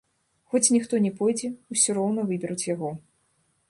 Хоць ніхто не пойдзе, усё роўна выберуць яго.